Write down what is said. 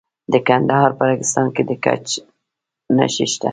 د کندهار په ریګستان کې د ګچ نښې شته.